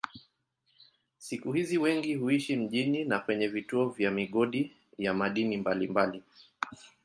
Siku hizi wengi huishi mjini na kwenye vituo vya migodi ya madini mbalimbali.